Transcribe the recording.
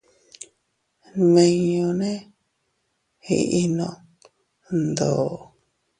Nmimñune iʼnno ndoo.